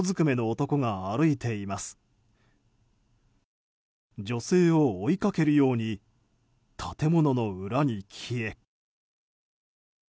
女性を追いかけるように建物の裏に消え。